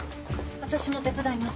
私も手伝います。